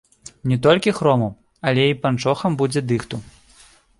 Не толькі хрому, але і панчохам будзе дыхту.